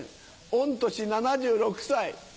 御年７６歳。